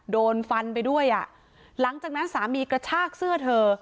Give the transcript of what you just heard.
โดนฟันไปด้วยอ่ะหลังจากนั้นสามีกระชากเสื้อเธอ